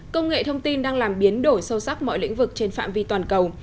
công nghệ thông tin đang làm biến đổi sâu sắc mọi lĩnh vực trên phạm vi toàn cầu